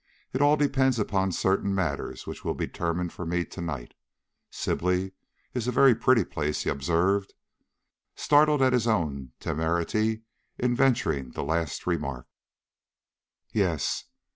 It all depends upon certain matters that will be determined for me to night. Sibley is a very pretty place," he observed, startled at his own temerity in venturing the last remark. "Yes."